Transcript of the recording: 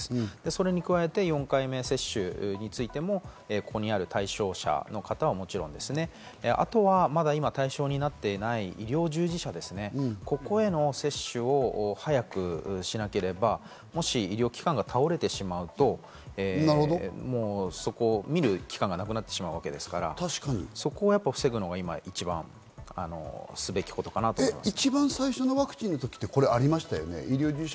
それに加えて４回目の接種についても、ここにある対象者の方はもちろん、あとはまだ対象になっていない医療従事者、ここへの接種を早くしなければもし医療機関が倒れてしまうともう見る機関がなくなってしまうわけですから、そこを防ぐのが一番すべきことかなと思います。